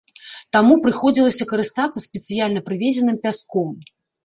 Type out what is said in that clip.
Таму прыходзілася карыстацца спецыяльна прывезеным пяском.